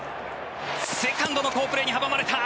セカンドの好プレーに阻まれた。